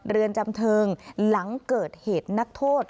เรือนจำเทิงหลังเกิดเหตุนักโทษ